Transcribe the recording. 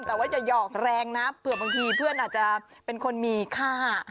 แต่จะหยอกแรงนะเพื่อนอาจเป็นคนมีค่า